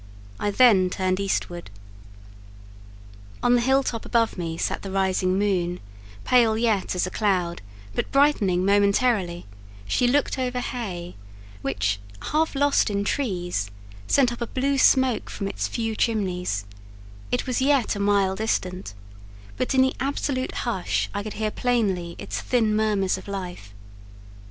I then turned eastward. On the hill top above me sat the rising moon; pale yet as a cloud, but brightening momentarily, she looked over Hay, which, half lost in trees, sent up a blue smoke from its few chimneys: it was yet a mile distant, but in the absolute hush I could hear plainly its thin murmurs of life.